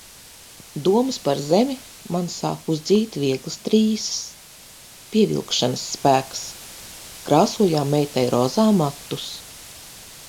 Domas par zemi man sāk uzdzīt vieglas trīsas. Pievilkšanas spēks. Krāsojām meitai rozā matus.